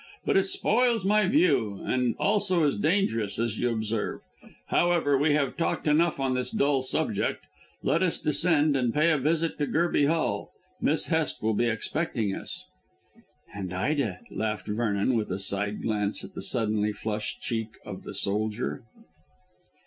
But it spoils my view and also is dangerous, as you observe. However, we have talked enough on this dull subject. Let us descend and pay a visit to Gerby Hall. Miss Hest will be expecting us." "And Ida," laughed Vernon with a side glance at the suddenly flushed cheek of the soldier.